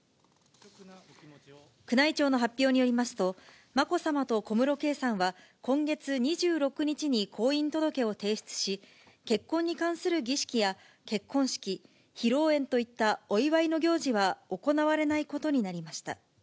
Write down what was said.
宮内庁の発表によりますと、まこさまと小室圭さんは今月２６日に婚姻届を提出し、結婚に関する儀式や結婚式、披露宴といったお祝いの行事は行われないことになりました。